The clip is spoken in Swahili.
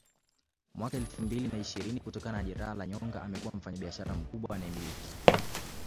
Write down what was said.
mwaka elfu mbili na ishirini kutokana na jeraha la nyonga amekuwa mfanyabishara mkubwa anayemiliki